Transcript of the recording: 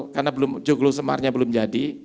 karena joglo semar belum jadi